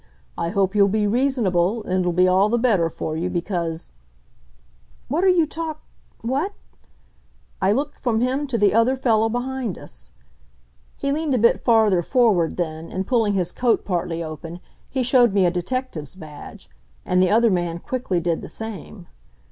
I hope you'll be reasonable and it'll be all the better for you because " "What are you talk what " I looked from him to the other fellow behind us. He leaned a bit farther forward then, and pulling his coat partly open, he showed me a detective's badge. And the other man quickly did the same.